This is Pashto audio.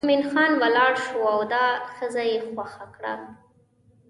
مومن خان ولاړ شو او دا ښځه یې ګوښه کړه.